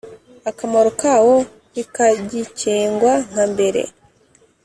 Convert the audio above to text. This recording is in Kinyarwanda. Akamaro kawo ntikagikengwa nkambere